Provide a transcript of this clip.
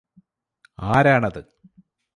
ആരാണത്